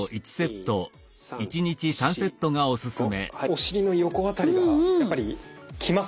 お尻の横辺りがやっぱりきますね。